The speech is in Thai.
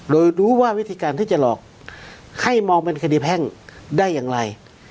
โดยรู้ว่าวิธีการที่จะหลอกให้มองเป็นคดีแพ่งได้อย่างไร